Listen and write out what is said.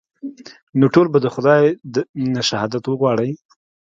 نو ټول به د خداى نه شهادت وغواړئ.